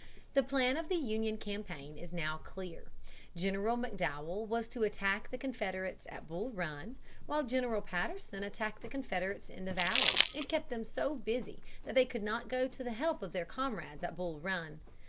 The plan of the Union campaign is now clear: General McDowell was to attack the Confederates at Bull Run, while General Patterson attacked the Confederates in the Valley, and kept them so busy that they could not go to the help of their comrades at Bull Run.